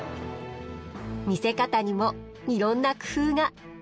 見せ方にもいろんな工夫が。